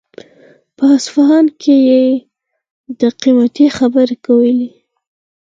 په اصفهان کې يې د قيمتۍ خبرې کولې.